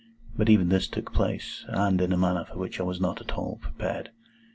But even this took place, and in a manner for which I was not at all prepared.